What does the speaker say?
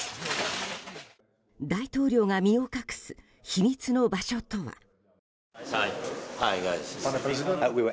大統領が身を隠す秘密の場所とは。